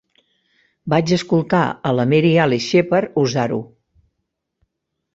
Vaig escoltar a la Mary Alice Sheppard usar-ho.